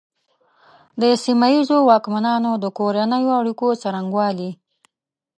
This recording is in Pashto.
د سیمه ییزو واکمنانو د کورنیو اړیکو څرنګوالي.